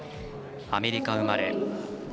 アメリカ生まれ。